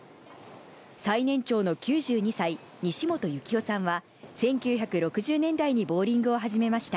最年長の９２歳、西本行郎さんは１９６０年代にボウリングを始めました。